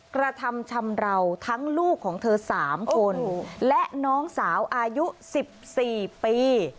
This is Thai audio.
กระทำชำราวทั้งลูกของเธอ๓คนและน้องสาวอายุ๑๔ปี